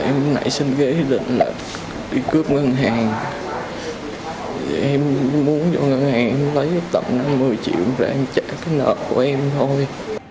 em nãy xin ghế định là đi cướp ngân hàng em muốn cho ngân hàng lấy tầm năm mươi triệu và em trả cái nợ của em thôi